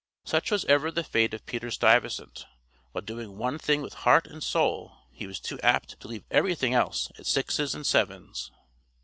Such was ever the fate of Peter Stuyvesant; while doing one thing with heart and soul he was too apt to leave everything else at sixes and sevens.